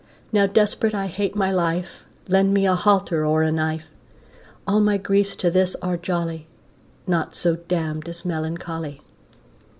Now desperate I hate my life, Lend me a halter or a knife; All my griefs to this are jolly, Naught so damn'd as melancholy.